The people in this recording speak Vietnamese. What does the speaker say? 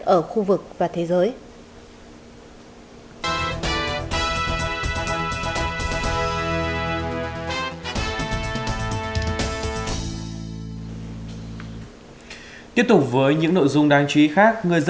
ở khu vực và thế giới